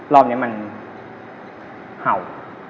รอบนี้มันเห่า